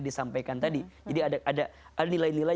disampaikan tadi jadi ada nilai nilai